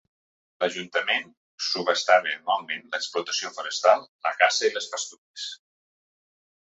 L'Ajuntament subhastava anualment l'explotació forestal, la caça i les pastures.